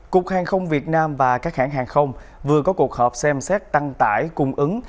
cục hàng không việt nam và các hãng hàng không vừa có cuộc họp xem xét tăng tải cung ứng